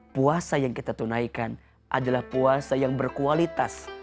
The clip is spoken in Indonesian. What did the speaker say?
puasa yang kita tunaikan adalah puasa yang berkualitas